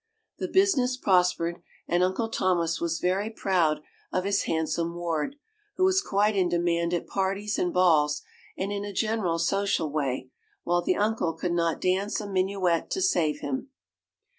The business prospered, and Uncle Thomas was very proud of his handsome ward, who was quite in demand at parties and balls and in a general social way, while the uncle could not dance a minuet to save him.